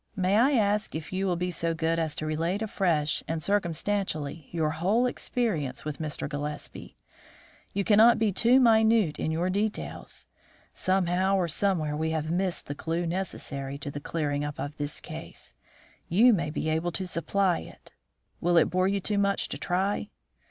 May I ask if you will be so good as to relate afresh and circumstantially your whole experience with Mr. Gillespie? You cannot be too minute in your details. Somehow or somewhere we have missed the clue necessary to the clearing up of this case. You may be able to supply it. Will it bore you too much to try?"